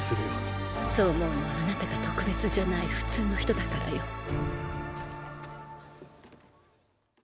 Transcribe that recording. そう思うのはあなたが特別じゃない普通の人だからよ。